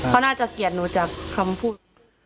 เขาน่าจะเกลียดหนูจากคำพูด